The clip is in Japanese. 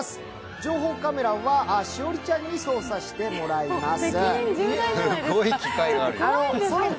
情報カメラは栞里ちゃんに操作してもらいます。